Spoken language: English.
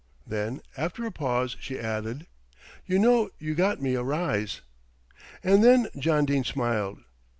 Then after a pause she added, "You know you got me a rise." And then John Dene smiled.